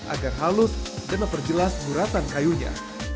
agar halus dan memperjelas muratan kayunya